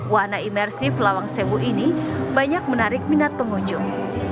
warna imersif lawang sewu ini banyak menarik minat pengunjung